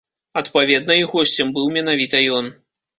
Адпаведна, і госцем быў менавіта ён.